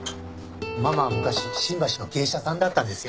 ママは昔新橋の芸者さんだったんですよ。